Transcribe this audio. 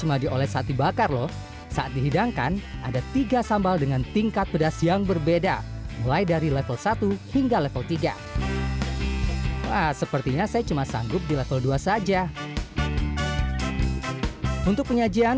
masakan bakar selanjutnya